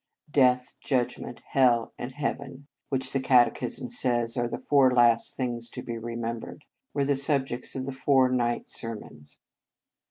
Death, Judgment, Hell, anc Heaven which the catechism say; are " the four last things to be re membered " were the subjects ol the four night sermons.